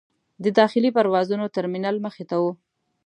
د داخلي پروازونو ترمینل مخې ته و.